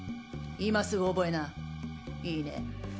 今すぐ覚えな。いいね？